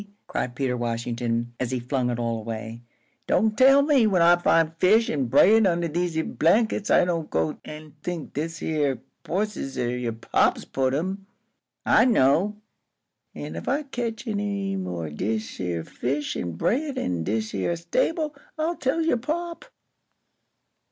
cried Peter Washington, as he flung it all away "don' tell me! When I fin' fish an' brade unner dese yer blankups, I don' go an' think dese yer ho'ses er yer pop's put 'em. I know. An' if I caitch enny more dish yer fish an' brade in dish yer stable, I'll tell yer pop."